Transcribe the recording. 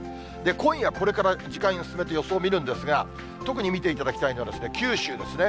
今夜これから、時間を進めて予想を見るんですが、特に見ていただきたいのが九州ですね。